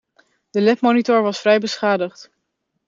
De LED monitor was vrij beschadigd.